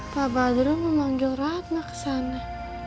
pak badro memanggil ratna kesana